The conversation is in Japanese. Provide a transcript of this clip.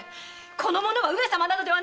この者は上様などではない！